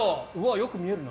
よく見えるな。